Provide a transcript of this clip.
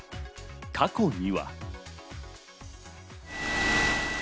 過去には。